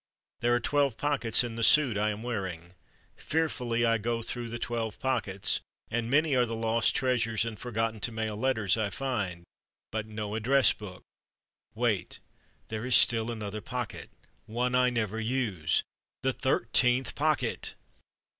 There are twelve pockets in the suit I am wearing. Fearfully I go through the twelve pockets and many are the lost treasures and forgotten to mail letters I find, but no Address Book! Wait! there is still another pocket! One I never use—THE THIRTEENTH POCKET!